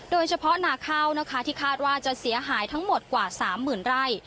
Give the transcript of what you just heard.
โดยเฉพาะหน้าข้าวที่คาดว่าจะเสียหายทั้งหมดกว่า๓๐๐๐๐ไร่